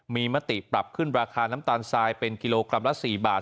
มีมติปรับขึ้นราคาน้ำตาลทรายเป็นกิโลกรัมละ๔บาท